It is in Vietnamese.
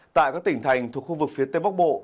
tại các tỉnh thành thuộc khu vực phía tây bắc bộ